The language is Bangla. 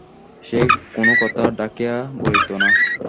সে কোনো কথা ঢাকিয়া বলিত না।